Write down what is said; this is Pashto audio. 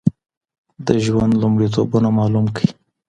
د ژوند لومړيتوبونه معلوم کړئ